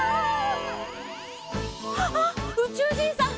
「あ、宇宙人さん